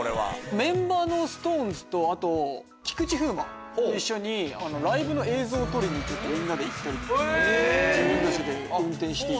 メンバーのＳｉｘＴＯＮＥＳと菊池風磨とライブの映像を撮りにみんなで行ったりとか自分たちで運転して。